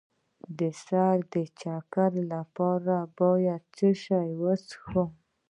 د سر د چکر لپاره باید څه شی وڅښم؟